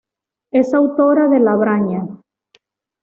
Es autora de "La Braña.